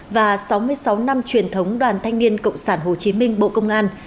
và sáu mươi sáu năm truyền thống đoàn thanh niên cộng sản hồ chí minh bộ công an